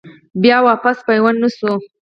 بيا واپس پيوند نۀ شوه ۔